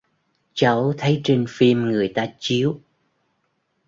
cháu thấy trên phim người ta chiếu